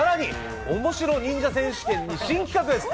さらに、おもしろ忍者選手権に新企画です。